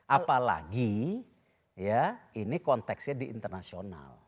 apalagi ya ini konteksnya di internasional